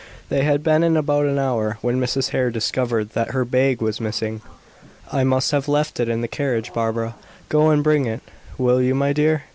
They had been in about an hour, when Mrs. Hare discovered that her bag was missing. "I must have left it in the carriage, Barbara. Go and bring it, will you, my dear?